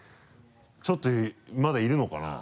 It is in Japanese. ちょっとまだいるのかな？